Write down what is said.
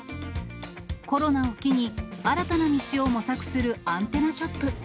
コロナを機に、新たな道を模索するアンテナショップ。